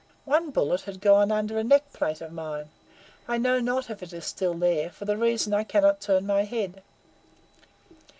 One bullet had gone under a neck plate of mine. I know not if it is there still, for the reason I cannot turn my head.